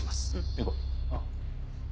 行こう。